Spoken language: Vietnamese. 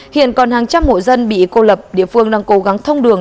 hiện còn hàng trăm hộ dân bị cô lập địa phương đang cố gắng thông đường